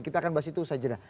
kita akan bahas itu usaha jeda